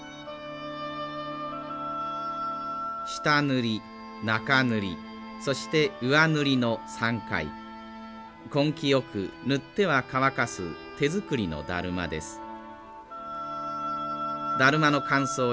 下塗り中塗りそして上塗りの３回根気よく塗っては乾かす手作りのだるまです。